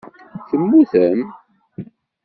Temmutem?